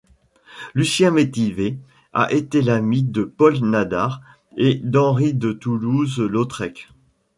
Lucien Métivet a été l'ami de Paul Nadar et d'Henri de Toulouse-Lautrec.